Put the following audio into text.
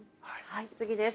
次です。